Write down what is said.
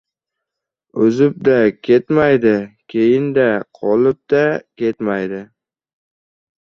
O‘zib-da ketmaydi, keyin-da qolib-da ketmaydi.